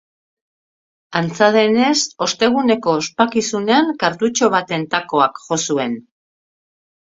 Antza denez, osteguneko ospakizunean kartutxo baten takoak jo zuen.